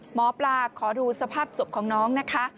หมอปลาขอดูสภาพศพของน้องนะคะ